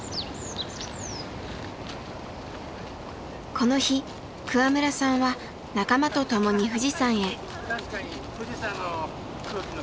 この日桑村さんは仲間と共に富士山へ。